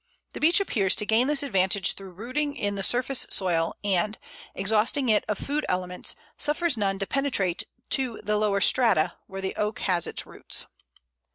The Beech appears to gain this advantage through rooting in the surface soil, and, exhausting it of food elements, suffers none to penetrate to the lower strata, where the Oak has its roots.